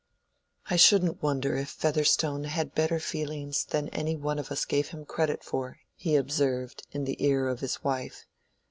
"I shouldn't wonder if Featherstone had better feelings than any of us gave him credit for," he observed, in the ear of his wife.